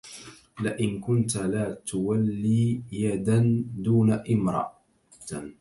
لئن كنت لا تولي يدا دون إمرة